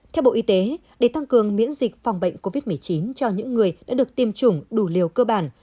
theo bộ y tế để tăng cường miễn dịch phòng bệnh covid một mươi chín cho những người đã được tiêm chủng đủ liều cơ bản